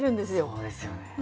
そうですよね。